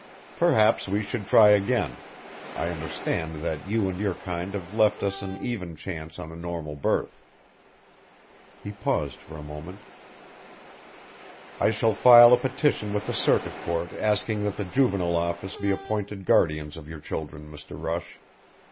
Perhaps we should try again I understand that you and your kind have left us an even chance on a normal birth." He paused for a moment. "I shall file a petition with the circuit court asking that the Juvenile Office be appointed guardians of your children, Mr. Rush.